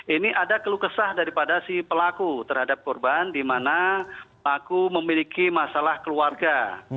ini ada kelukesah daripada si pelaku terhadap korban di mana pelaku memiliki masalah keluarga